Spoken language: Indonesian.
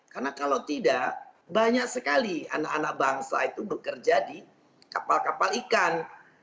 karena kalau tidak banyak sekali anak anak bangsa itu bekerja di kapal kapal ikan